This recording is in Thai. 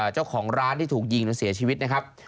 เจ้าของร้านที่ถูกยิงหรือเสียชีวิตนะครับ